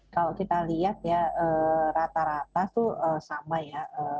kalau kita lihat ya rata rata tuh sama ya